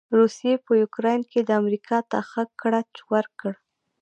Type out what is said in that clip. روسې په يوکراين کې امریکا ته ښه ګړچ ورکړ.